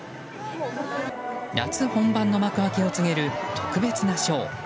夏本番の幕開けを告げる特別なショー。